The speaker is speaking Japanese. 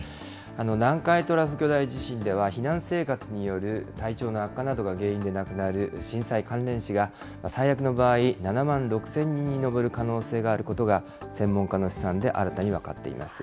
南海トラフ巨大地震では、避難生活による体調の悪化などが原因で亡くなる震災関連死が、最悪の場合、７万６０００人に上る可能性があることが専門家の試算で新たに分かっています。